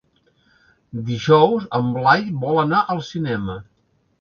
Dijous en Blai vol anar al cinema.